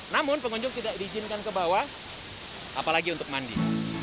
namun pengunjung tidak diizinkan ke bawah apalagi untuk mandi